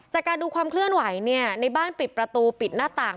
จากการดูความเคลื่อนไหวเนี่ยในบ้านปิดประตูปิดหน้าต่าง